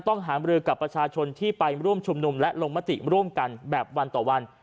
หามรือกับประชาชนที่ไปร่วมชุมนุมและลงมติร่วมกันแบบวันต่อวัน